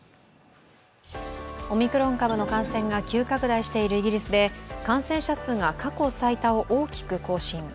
オミクロン株の感染が急拡大しているイギリスで感染者数が過去最多を大きく更新。